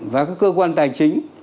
và các cơ quan tài chính